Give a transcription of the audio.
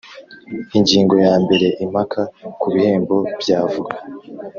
Ingingo ya mbere Impaka ku bihembo by avoka